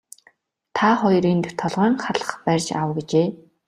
Та хоёр энд толгойн халх барьж ав гэжээ.